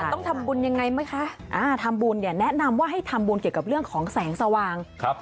ต้องทำบุญยังไงไหมคะทำบุญเนี่ยแนะนำว่าให้ทำบุญเกี่ยวกับเรื่องของแสงสว่าง